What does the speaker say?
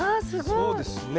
そうですね。